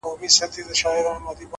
هره پوښتنه نوې دروازه پرانیزي!